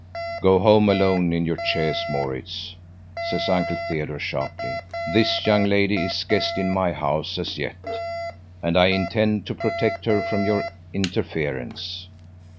"Go home alone in your chaise, Maurits," says Uncle Theodore sharply. "This young lady is guest in my house as yet, and I intend to protect her from your interference."